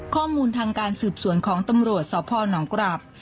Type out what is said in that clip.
ข้อมูลทางการสืบสวนของตำรวจสพนกรับ